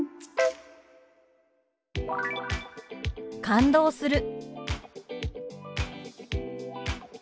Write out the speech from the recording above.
「感動する」。